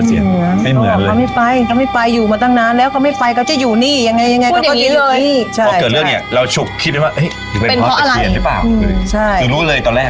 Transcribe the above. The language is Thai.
เกิดเรื่องเนี้ยเราฉุกคิดได้ไหมว่าเฮ้ยเป็นเพราะอะไรเป็นเพราะอะไรใช่หรือรู้เลยตอนแรก